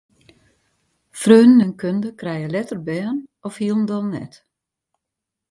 Freonen en kunde krije letter bern of hielendal net.